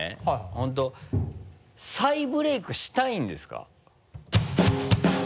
本当再ブレイクしたいんですか？